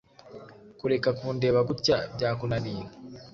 Kureka kundeba gutya byakunaniye.